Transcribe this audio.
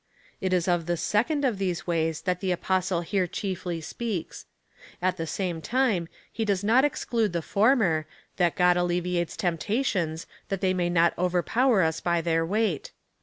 It is of the second of these Avays that the Apostle here chiefly speaks. At the same time, he does not exclude the former — that God alle viates temptations, that they may not overpower us by their weight.